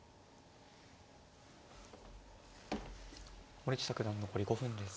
森下九段残り５分です。